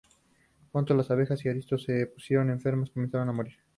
Pronto las abejas de Aristeo se pusieron enfermas y comenzaron a morir.